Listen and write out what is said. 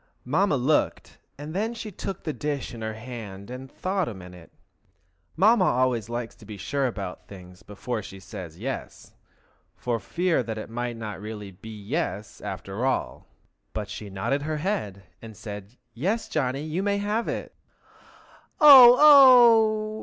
Mamma looked, and then she took the dish in her hand and thought a minute. Mamma always likes to be sure about things before she says "Yes!" for fear it might not really be "yes" after all. But now she nodded her head, and said, "Yes, Johnny, you may have it." "O oh!"